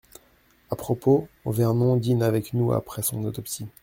À propos, Vernon dîne avec nous après son autopsie.